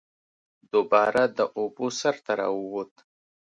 دوباره د اوبو سر ته راووت